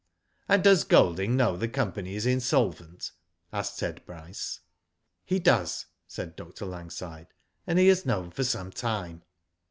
'*And does Golding know the company is insolvent?" asked Ted Bryce. He does," said Dr. Langside. " And has known for some time."